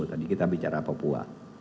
tadi kita bicara papua